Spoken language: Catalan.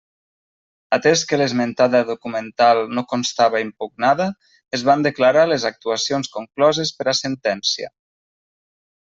Atés que l'esmentada documental no constava impugnada, es van declarar les actuacions concloses per a sentència.